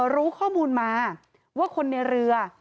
รู้ข้อมูลมาว่าคนในเรือ